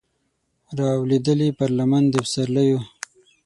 رالویدلې پر لمن د پسرلیو